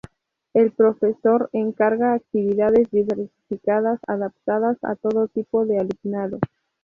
El profesor encarga actividades diversificadas adaptadas a todo tipo de alumnado.